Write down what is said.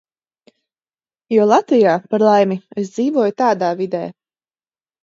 Jo Latvijā, par laimi, es dzīvoju tāda vidē.